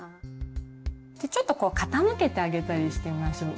ちょっとこう傾けてあげたりしてみましょう。